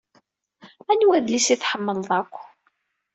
Anwa adlis i tḥemmleḍ akk?